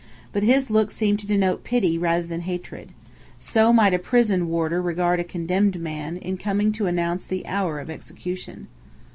But his look seemed to denote pity rather than hatred. So might a prison warder regard a condemned man, in coming to announce the hour of execution.